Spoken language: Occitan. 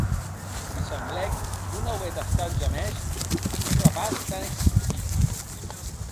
Li semblèc non auer tastat jamès un repais tant esquist.